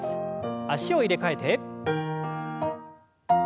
脚を入れ替えて。